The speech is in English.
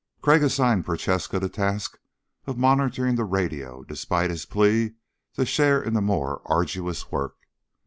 Crag assigned Prochaska the task of monitoring the radio despite his plea to share in the more arduous work.